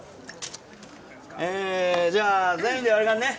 えじゃあ全員で割り勘ね。